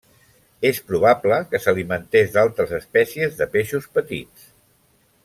És probable que s'alimentés d'altres espècies de peixos petits.